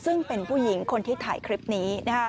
ซึ่งเป็นผู้หญิงคนที่ถ่ายคลิปนี้